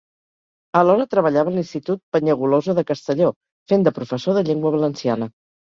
Alhora treballava a l'Institut Penyagolosa de Castelló, fent de professor de Llengua Valenciana.